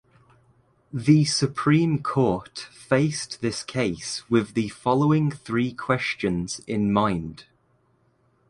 The Supreme Court faced this case with the following three questions in mind.